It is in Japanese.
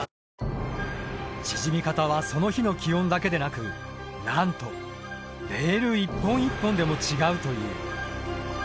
縮み方はその日の気温だけでなくなんとレール一本一本でも違うという。